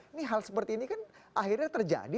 ini hal seperti ini kan akhirnya terjadi